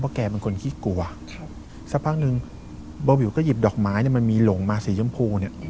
แกเป็นคนขี้กลัวสักพักนึงเบาวิวก็หยิบดอกไม้เนี่ยมันมีหลงมาสีชมพูเนี่ย